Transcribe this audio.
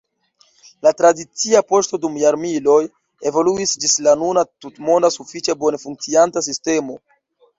La tradicia poŝto dum jarmiloj evoluis ĝis la nuna tutmonda, sufiĉe bone funkcianta sistemo.